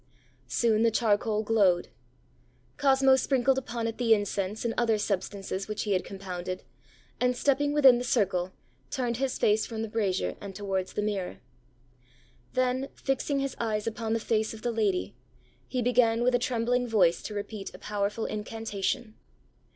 Soon the charcoal glowed. Cosmo sprinkled upon it the incense and other substances which he had compounded, and, stepping within the circle, turned his face from the brazier and towards the mirror. Then, fixing his eyes upon the face of the lady, he began with a trembling voice to repeat a powerful incantation.